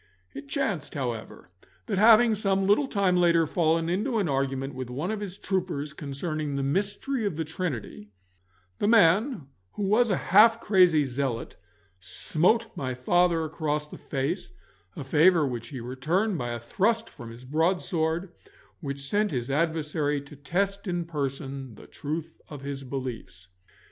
It chanced, however, that having some little time later fallen into an argument with one of his troopers concerning the mystery of the Trinity, the man, who was a half crazy zealot, smote my father across the face, a favour which he returned by a thrust from his broadsword, which sent his adversary to test in person the truth of his beliefs.